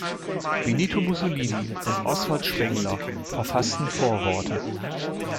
Benito Mussolini und Oswald Spengler verfassten Vorworte.